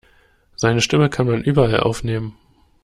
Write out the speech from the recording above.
Seine Stimme kann man überall aufnehmen.